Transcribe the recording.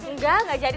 nggak nggak jadi